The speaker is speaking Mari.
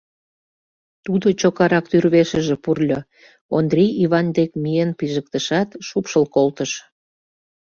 Тудо чокарак тӱрвешыже пурльо, Андри Иван дек миен пижыктышат, шупшыл колтыш.